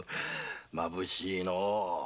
まぶしいのう。